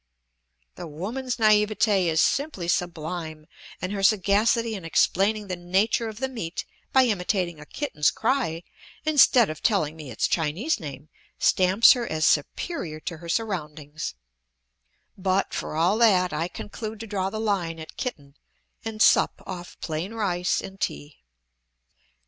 The woman's naivete is simply sublime, and her sagacity in explaining the nature of the meat by imitating a kitten's cry instead of telling me its Chinese name stamps her as superior to her surroundings; but, for all that, I conclude to draw the line at kitten and sup off plain rice and tea.